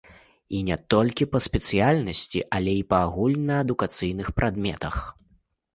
І не толькі па спецыяльнасці, але і па агульнаадукацыйных прадметах.